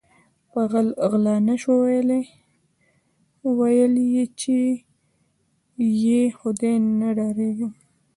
په غل غلا نشوه ویل یی چې ی خدای نه ډاریږم